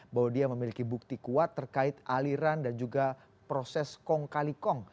bahwa dia memiliki bukti kuat terkait aliran dan juga proses kong kali kong